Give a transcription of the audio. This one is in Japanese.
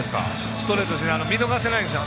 ストレートです見逃せないんですよ。